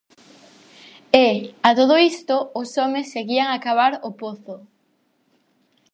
E, a todo isto, os homes seguían a cavar o pozo.